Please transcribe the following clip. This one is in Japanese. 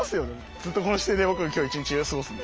ずっとこの姿勢で僕今日一日過ごすんで。